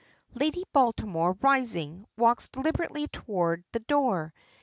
Lady Baltimore, rising, walks deliberately toward the door.